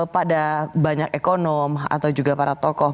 pada banyak ekonom atau juga para tokoh